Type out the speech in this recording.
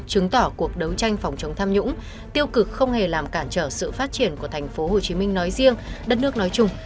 chứng tỏ cuộc đấu tranh phòng chống tham nhũng tiêu cực không hề làm cản trở sự phát triển của thành phố hồ chí minh nói riêng đất nước nói chung